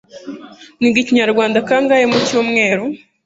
mwiga ikinyarwanda kangahe mu cyumweru